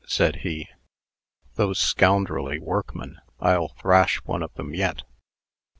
said he. "Those scoundrelly workmen! I'll thrash one of them yet."